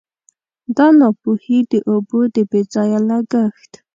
دا ناپوهي د اوبو د بې ځایه لګښت.